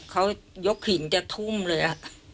เขายกหินจะทุ่มเลย